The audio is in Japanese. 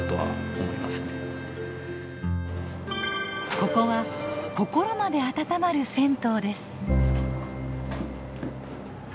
ここは心まであたたまる銭湯です。